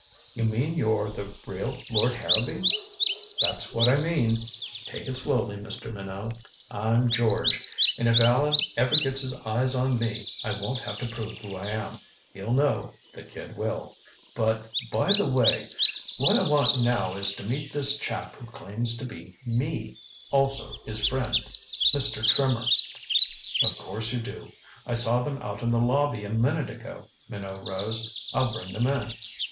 "You mean you're the real Lord Harrowby?" "That's what I mean take it slowly, Mr. Minot. I'm George, and if Allan ever gets his eyes on me, I won't have to prove who I am. He'll know, the kid will. But by the way what I want now is to meet this chap who claims to be me also his friend, Mr. Trimmer." "Of course you do. I saw them out in the lobby a minute ago." Minot rose. "I'll bring them in.